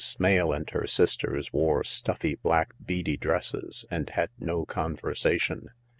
Smale and her sisters wore stuffy, black, beady dresses and had no conversation.